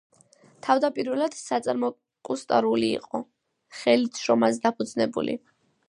თავდაპირველად საწარმო კუსტარული იყო, ხელით შრომაზე დაფუძნებული.